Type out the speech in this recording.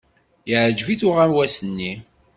Yeɛjeb-it uɣawas-nni.